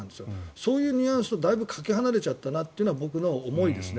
そういうニュアンスからだいぶかけ離れちゃったなという僕の思いですね。